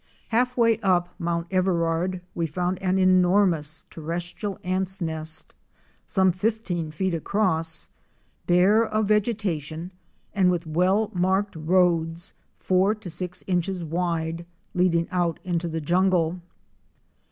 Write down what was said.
Half way up Mount Everard we found an enormous terrestrial ants' nest, some fifteen feet across, bare of vegetation and with well marked roads, four to six inches wide, leading out into the jungle.